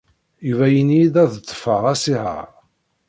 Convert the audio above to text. Yuba yenna-iyi-d ad ḍḍfeɣ asihaṛ.